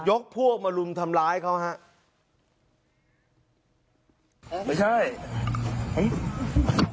อยกพวกมารุมทำร้ายเค้านะครับ